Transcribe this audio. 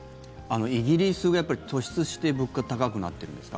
イギリスがやっぱり突出して物価、高くなってるんですか？